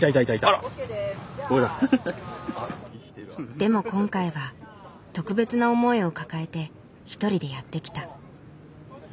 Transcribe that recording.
でも今回は特別な思いを抱えて１人でやって来た。